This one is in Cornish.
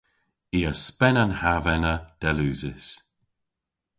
I a spen an hav ena dell usys.